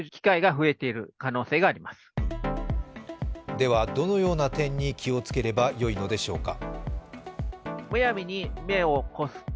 では、どのような点に気をつければよいのでしょうか？